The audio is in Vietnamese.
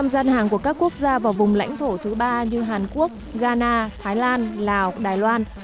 năm mươi năm gian hàng của các quốc gia vào vùng lãnh thổ thứ ba như hàn quốc ghana thái lan lào đài loan